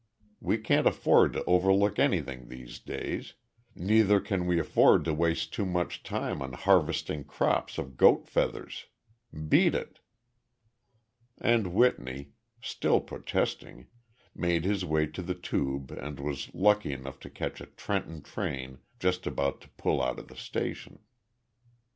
We can't afford to overlook anything these days neither can we afford to waste too much time on harvesting crops of goat feathers. Beat it!" And Whitney, still protesting, made his way to the tube and was lucky enough to catch a Trenton train just about to pull out of the station.